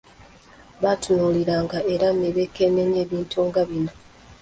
Baatunuuliranga era ne beekenneenya ebintu nga bino